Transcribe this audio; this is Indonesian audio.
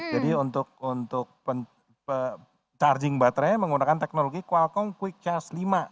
jadi untuk charging baterai menggunakan teknologi qualcomm quick charge lima